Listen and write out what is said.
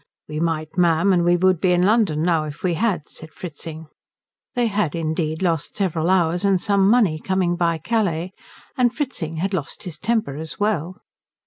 "We might, ma'am, and we would be in London now if we had," said Fritzing. They had, indeed, lost several hours and some money coming by Calais, and Fritzing had lost his temper as well.